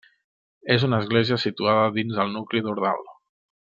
És una església situada dins el nucli d'Ordal.